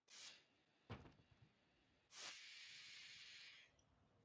Mēs centāmies šo iespēju izmantot, izveidojām valdību.